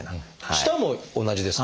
舌も同じですか？